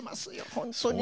本当に。